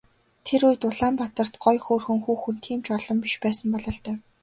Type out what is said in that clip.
Тэр үед Улаанбаатарт гоё хөөрхөн хүүхэн тийм ч олон биш байсан бололтой.